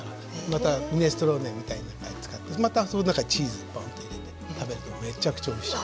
またミネストローネなんかに使ってまたその中にチーズをポンと入れて食べるとめちゃくちゃおいしい。